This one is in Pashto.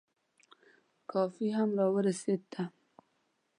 کافي هم را ورسېده.